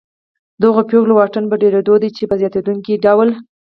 د هغو پیغلو واټن په ډېرېدو دی چې په زیاتېدونکي ډول